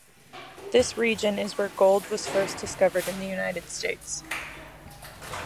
This region is where gold was first discovered in the United States.